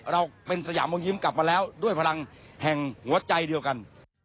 เราเป็นสยามวงยิ้มกลับมาแล้วด้วยพลังแห่งหัวใจเดียวกัน